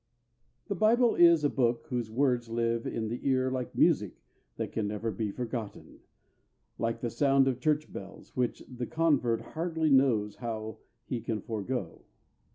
] The Bible is a book whose words live in the ear like music that can never be forgotten, like the sound of church bells, which the convert hardly knows how he can forego.